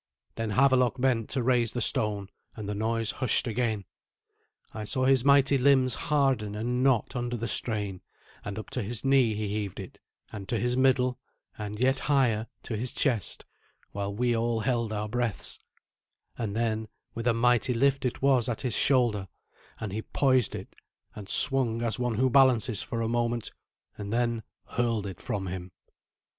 Then Havelok bent to raise the stone, and the noise hushed again. I saw his mighty limbs harden and knot under the strain, and up to his knee he heaved it, and to his middle, and yet higher, to his chest, while we all held our breaths, and then with a mighty lift it was at his shoulder, and he poised it, and swung as one who balances for a moment, and then hurled it from him.